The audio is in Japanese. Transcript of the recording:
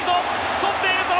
とっているぞ！